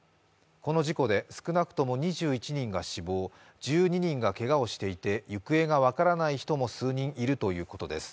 この事故で少なくとも２１人が死亡、１２人がけがをしていて行方が分からない人も数人いるということです